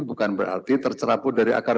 bukan berarti tercerabut dari akar